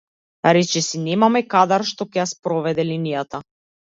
Речиси немаме кадар што ќе ја спроведе линијата.